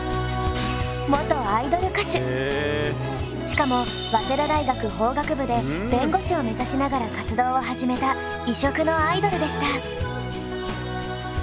しかも早稲田大学法学部で弁護士を目指しながら活動を始めた異色のアイドルでした。